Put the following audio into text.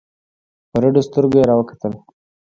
په رډو سترگو يې راوکتل.